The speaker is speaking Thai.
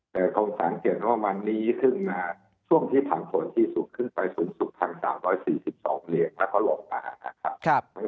แต่คงสังเกตว่าวันนี้ขึ้นมาช่วงที่ผันผลที่สุดขึ้นไปสูงสุด๑๓๔๒เหรียญแล้วก็หลบมานะครับ